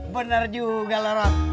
bener juga rot